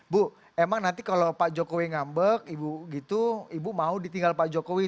bu emang nanti kalau pak jokowi ngambek ibu gitu ibu mau ditinggal pak jokowi